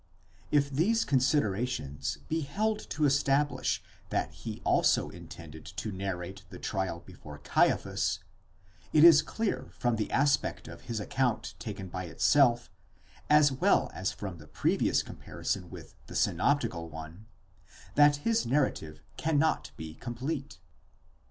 * If these considerations be held to establish that he also intended to narrate the trial before Caiaphas : it is clear from the aspect of his account taken by itself, as well as from the previous comparison with the synoptical one, that his narrative cannot be complete.